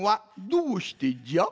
どうしてじゃ？